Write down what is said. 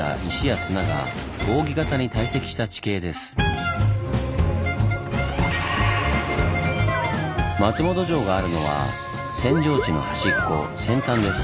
扇状地とは松本城があるのは扇状地の端っこ「扇端」です。